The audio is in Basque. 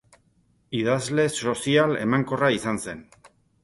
Idazle sozial emankorra izan zen.